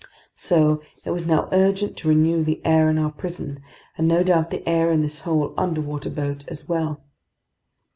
So it was now urgent to renew the air in our prison, and no doubt the air in this whole underwater boat as well.